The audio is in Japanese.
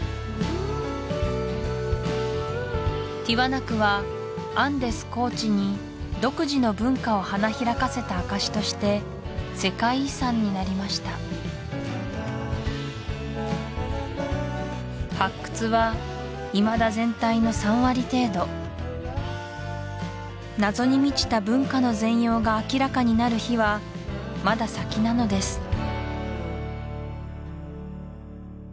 ティワナクはアンデス高地に独自の文化を花開かせた証しとして世界遺産になりました発掘はいまだ全体の３割程度謎に満ちた文化の全容が明らかになる日はまだ先なのです